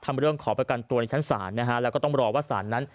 ถ้ำเรื่องขอประกันตัวในชั้นศาลนะครับแล้วต้องรอว่าศาลนั้น